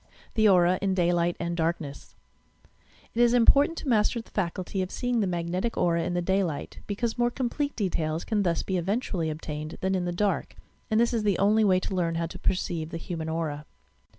THE HUMAN AURA THE AURA IN DAVLIOHT i It is important to master the faculty of seeing the magnetic aura in the daylight, because more complete details can thus be eventually obtained than in the dark, and this is the only way to learn how to perceive the human aura.